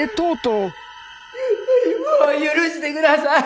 ううっもう許してください。